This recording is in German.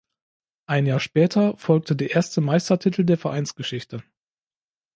Ein Jahr später folgte der erste Meistertitel der Vereinsgeschichte.